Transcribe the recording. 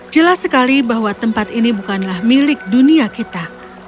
jelas sekali bahwa tempat ini bukanlah milik dunia kita